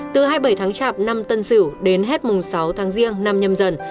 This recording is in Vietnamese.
từ hai mươi bảy tháng chạp năm tân sửu đến hết mùng sáu tháng riêng năm nhâm dần